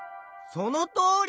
そのとおり！